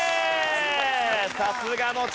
さすがの力！